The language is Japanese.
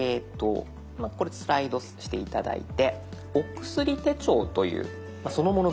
スライドして頂いて「お薬手帳」というそのもの